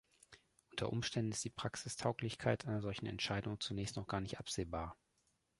Unter Umständen ist die Praxistauglichkeit einer solchen Entscheidung zunächst noch gar nicht absehbar.